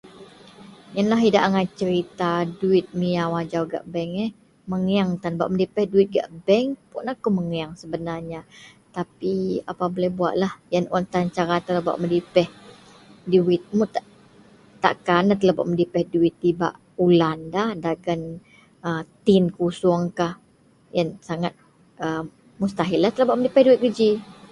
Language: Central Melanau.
Yenlah idak angai cerita duwit miyau ajau gak bank eh mengeang tan bak medipeh duwit gak bank puun akou mengeang sebenarnya tapi apa boleh buatlah yen un tan cara telou bak medipeh duwit [unintelligible] tak kanlah telou bak medipeh duwit dibak ulan, dagen tim kusuongkah yen sangat mustahillah telou medipeh duwit geji